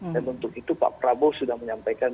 dan untuk itu pak prabowo sudah menyampaikan